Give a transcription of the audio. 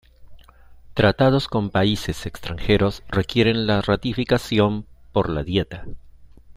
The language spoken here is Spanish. Tratados con países extranjeros requieren la ratificación por la Dieta.